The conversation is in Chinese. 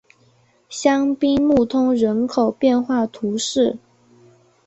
香槟穆通人口变化图示